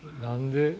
何で。